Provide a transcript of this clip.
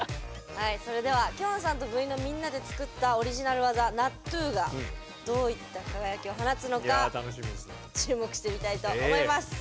はいそれではきょんさんと部員のみんなで作ったオリジナル技Ｎａｔｔｕｕｕｕｕがどういった輝きを放つのか注目してみたいと思います。